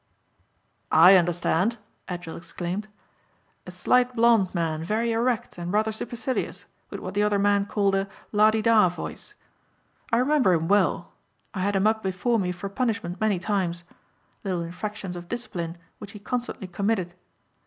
"I understand," Edgell exclaimed, "a slight blond man very erect and rather supercilious with what the other men called a lah de dah voice. I remember him well. I had him up before me for punishment many times. Little infractions of discipline which he constantly committed.